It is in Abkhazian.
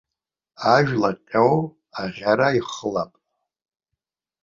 Ажәла ҟьо аӷьара ихылап.